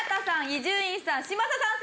伊集院さん嶋佐さん